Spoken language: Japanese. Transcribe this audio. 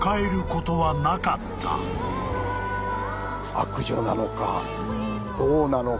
悪女なのかどうなのか。